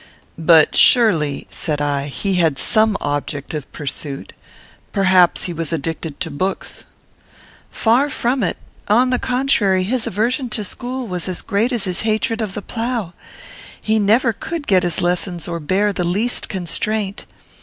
"But surely," said I, "he had some object of pursuit. Perhaps he was addicted to books." "Far from it. On the contrary, his aversion to school was as great as his hatred of the plough. He never could get his lessons or bear the least constraint.